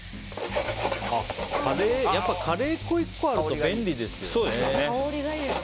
やっぱカレー粉１個あると便利ですよね。